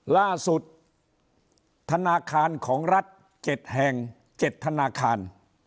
ล่าสุดธนาคารของรัฐเจ็ดแห่งเจ็ดธนาคาร